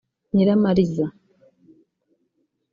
Nyiramariza